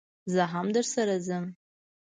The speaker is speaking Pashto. زه هم درسره ځم